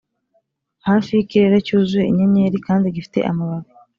'hafi y'ikirere cyuzuye inyenyeri kandi gifite amababi;